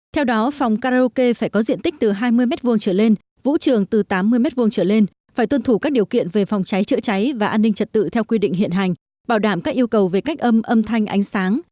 theo đó phòng karaoke phải có diện tích từ hai mươi m hai trở lên vũ trường từ tám mươi m hai trở lên phải tuân thủ các điều kiện về phòng cháy chữa cháy và an ninh trật tự theo quy định hiện hành bảo đảm các yêu cầu về cách âm âm thanh ánh sáng